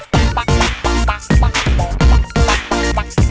เพราะอะไรอ่ะ